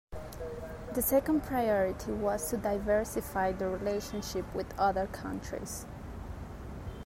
The second priority was to diversify the relationship with other countries.